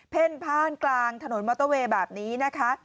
่นผ้านกลางถนนมอเตอร์เวย์แบบนี้นะคะ